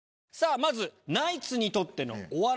まずナイツにとっての。